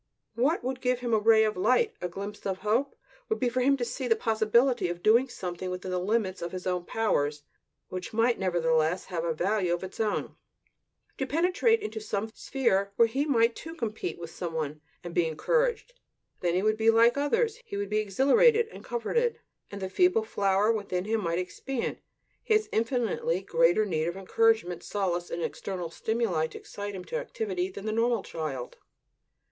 What would give him a ray of light, a glimpse of hope, would be for him to see the possibility of doing something within the limits of his own powers which might nevertheless have a value of its own; to penetrate into some sphere where he too might compete with some one and be encouraged. Then he would be like others, he would be exhilarated and comforted; and the feeble flower within him might expand. He has infinitely greater need of encouragement, solace, and external stimuli to excite him to activity than the normal child.